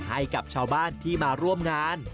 ให้กับชาวบ้านที่มาร่วมงาน